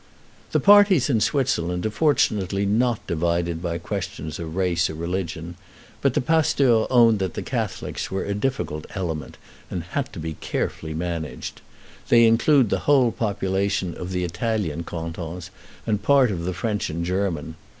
The parties in Switzerland are fortunately not divided by questions of race or religion, but the pasteur owned that the Catholics were a difficult element, and had to be carefully managed. They include the whole population of the Italian cantons, and part of the French and German.